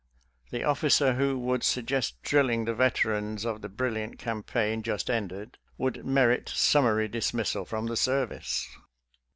The officer who would suggest drilling the vet erans of the brilliant campaign just ended would merit summary dismissal from the service.